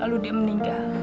lalu dia meninggal